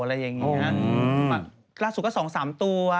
ลงสุดก็๒๓ตัว